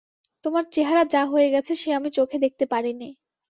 তোমার চেহারা যা হয়ে গেছে সে আমি চোখে দেখতে পারি নে।